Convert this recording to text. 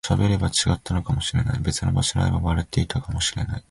喋れば違ったのかもしれない、別の場所で会えば笑っていたかもしれない